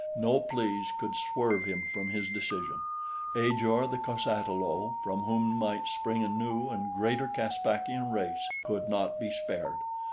No pleas could swerve him from his decision: Ajor, the cos ata lo, from whom might spring a new and greater Caspakian race, could not be spared.